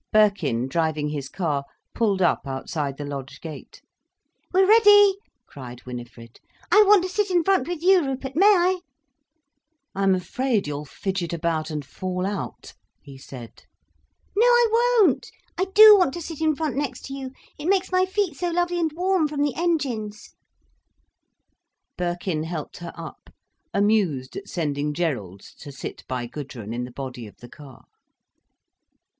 Birkin, driving his car, pulled up outside the lodge gate. "We're ready!" cried Winifred. "I want to sit in front with you, Rupert. May I?" "I'm afraid you'll fidget about and fall out," he said. "No I won't. I do want to sit in front next to you. It makes my feet so lovely and warm, from the engines." Birkin helped her up, amused at sending Gerald to sit by Gudrun in the body of the car.